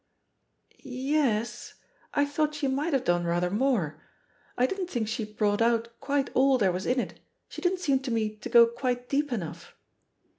'*| "Y e s, I thought she might have done rather more. I didn't think she brought out quite all there was ia it ; she didn't seem to me to go quite deep enough."